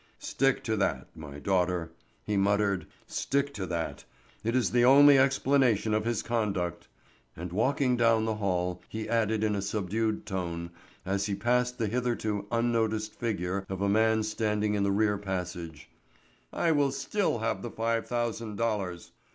"Stick to that, my daughter," he muttered, "stick to that; it is the only explanation of his conduct;" and walking down the hall he added in a subdued tone, as he passed the hitherto unnoticed figure of a man standing in the rear passage, "I will still have the five thousand dollars!